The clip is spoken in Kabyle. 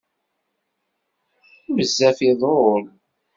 Bezzaf iḍul.